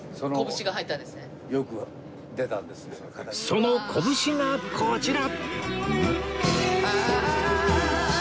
その拳がこちら！